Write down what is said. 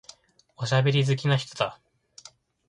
おしゃべり好きな人だ。